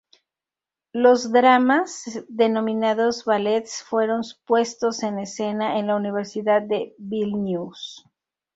Los dramas, denominados ballets, fueron puestos en escena en la Universidad de Vilnius.